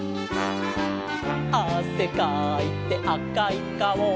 「あせかいてあかいかお」